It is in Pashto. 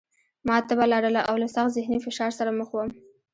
ما تبه لرله او له سخت ذهني فشار سره مخ وم